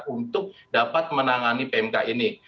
untuk dapat menangani pmk ini